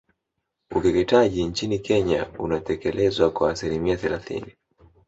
Ukeketaji nchini Kenya unatekelezwa kwa asilimia thelathini